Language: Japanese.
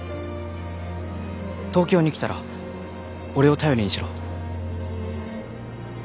東京に来たら俺を頼りにしろ。